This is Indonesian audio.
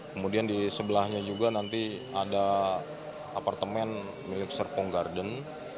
kemudian di sebelahnya juga nanti ada apartemen milik serpong garden